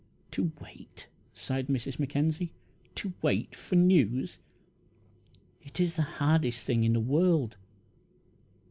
"To wait," sighed Mrs. Mackenzie "to wait for news! It is the hardest thing in the world!"